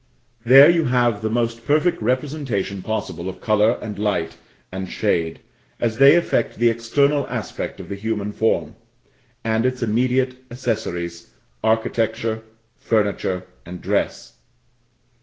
There you have the most perfect representation possible of colour, and light, and shade, as they affect the external aspect of the human form, and its immediate accessories, architecture, furniture, and dress.